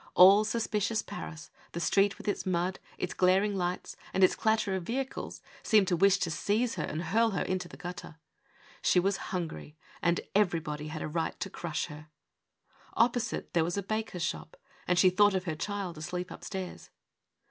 All suspicious Paris, the street with its mud, its glaring lights, and its clatter of vehicles seemed to wish to seize her and hurl her into the gutter. She was hungry and everybody had a right to crush her. Opposite there was a baker's shop, and she thought of her child asleep up stairs.